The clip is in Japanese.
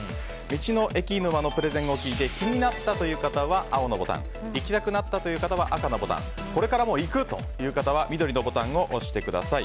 道の駅沼のプレゼンを聞いて気になったという方は青のボタン行きたくなったという方は赤のボタンをこれから行くという方は緑のボタンを押してください。